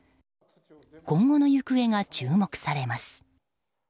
今後の行方が注目されます。